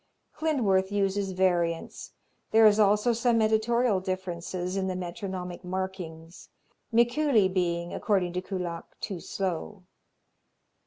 Klindworth uses variants. There is also some editorial differences in the metronomic markings, Mikuli being, according to Kullak, too slow.